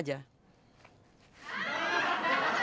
jangan harusnya ada pertempuran